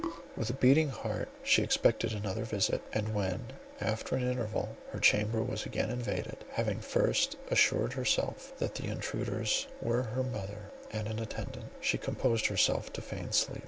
With a beating heart she expected another visit, and when after an interval her chamber was again invaded, having first assured herself that the intruders were her mother and an attendant, she composed herself to feigned sleep.